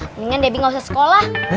mendingan debbie gak usah sekolah